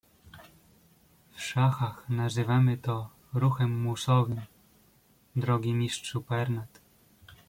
"„W szachach nazywamy to „ruchem musowym“, drogi mistrzu Pernat!"